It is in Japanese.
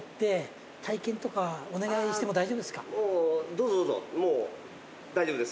どうぞどうぞもう大丈夫です。